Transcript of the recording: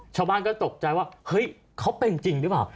ชาวบ้านก็ตกใจว่าเฮ้ยเขาเป็นจริงหรือเปล่า